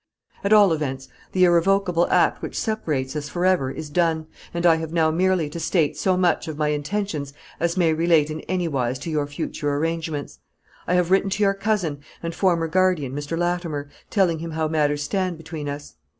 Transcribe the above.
At all events, the irrevocable act which separates us forever is done, and I have now merely to state so much of my intentions as may relate in anywise to your future arrangements. I have written to your cousin, and former guardian, Mr. Latimer, telling him how matters stand between us.